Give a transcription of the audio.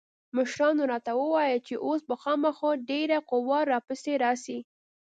مشرانو راته وويل چې اوس به خامخا ډېره قوا را پسې راسي.